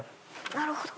なるほど。